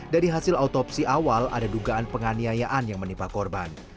dari hasil autopsi awal ada dugaan penganiayaan yang menimpa korban